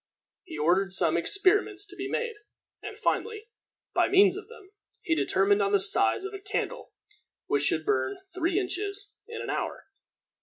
He ordered some experiments to be made, and finally, by means of them, he determined on the size of a candle which should burn three inches in an hour.